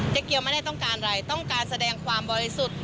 เกียวไม่ได้ต้องการอะไรต้องการแสดงความบริสุทธิ์